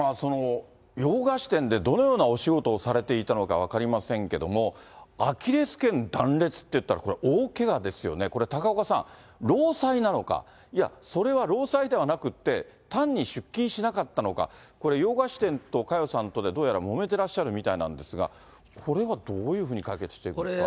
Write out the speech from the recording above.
洋菓子店でどのようなお仕事をされていたのか分かりませんけども、アキレスけん断裂っていったら、これ、大けがですよね、これ、高岡さん、労災なのか、いや、それは労災ではなくって、単に出勤しなかったのか、これ、洋菓子店と佳代さんとで、どうやらもめてらっしゃるみたいなんですが、これはどういうふうに解決していくんですか。